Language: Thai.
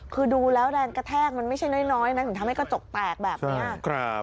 คือดูแล้วแรงกระแทกมันไม่ใช่น้อยนะถึงทำให้กระจกแตกแบบนี้